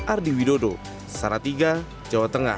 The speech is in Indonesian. ardi widodo saratiga jawa tengah